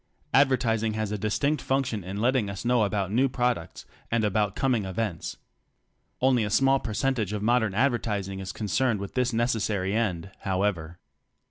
Advertising has a distinct function in letting us know about new products, and about coming events. Only a small percentage of modern advertising is concerned with this necessary end, however.